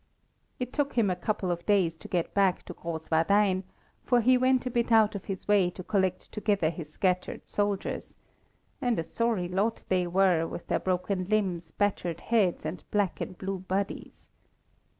It took him a couple of days to get back to Grosswardein, for he went a bit out of his way to collect together his scattered soldiers; and a sorry lot they were, with their broken limbs, battered heads, and black and blue bodies.